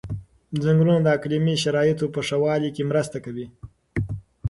ځنګلونه د اقلیمي شرایطو په ښه والي کې مرسته کوي.